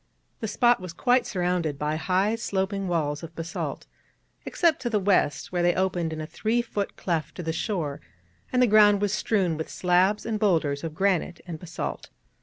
The spot was quite surrounded by high sloping walls of basalt, except to the west, where they opened in a three foot cleft to the shore, and the ground was strewn with slabs and boulders of granite and basalt.